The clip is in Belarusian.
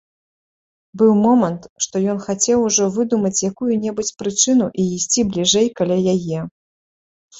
Быў момант, што ён хацеў ужо выдумаць якую-небудзь прычыну і ісці бліжэй каля яе.